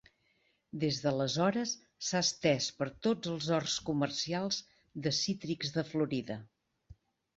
Des d'aleshores s'ha estès per tots els horts comercials de cítrics de Florida.